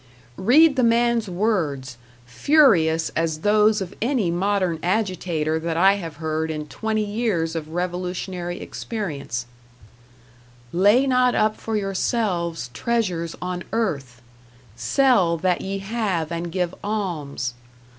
Read the man's words, furious as those of any modern agitator that I have heard in twenty years of revolutionary experience: "Lay not up for yourselves treasures on earth! Sell that ye have and give alms!